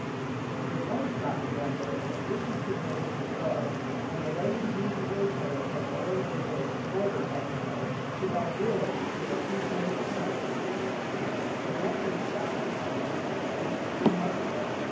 There is one shop in Remyo in addition to the native Bazaar, and the ladies usually pay it a daily visit, in order, I suppose, to add realism to their pretence of housekeeping. The method adopted on these occasions is remarkable.